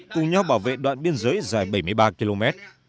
cùng nhau bảo vệ đoạn biên giới dài bảy mươi ba km